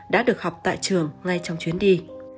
đã được học tại trường ngay trong chuyến đi